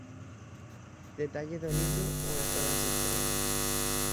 Detalle do libro "O Eco das estrelas".